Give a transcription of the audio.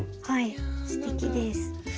すてきです。